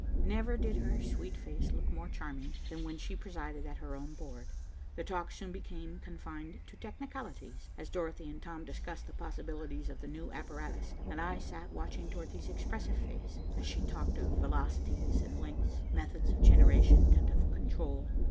Never did her sweet face look more charming than when she presided at her own board. The talk soon became confined to technicalities, as Dorothy and Tom discussed the possibilities of the new apparatus, and I sat watching Dorothy's expressive face, as she talked of velocities and lengths, methods of generation and of control.